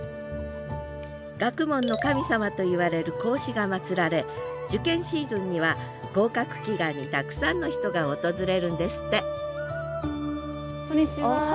学問の神様といわれる孔子が祀られ受験シーズンには合格祈願にたくさんの人が訪れるんですってこんにちは。